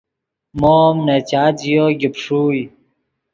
مو ام نے چات ژیو گیپ ݰوئے